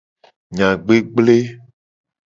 Enya gblegble.